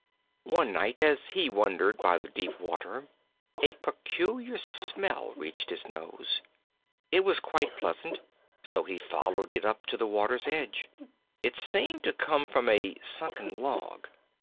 One night as he wandered by the deep water a peculiar smell reached his nose. It was quite pleasant, so he followed it up to the water's edge. It seemed to come from a sunken log.